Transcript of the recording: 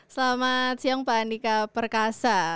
selamat siang pak andika perkasa